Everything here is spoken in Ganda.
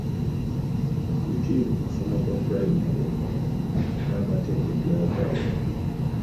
Bwe kiri ku kusoma kwa pulayimale n’amatendekero aga waggulu.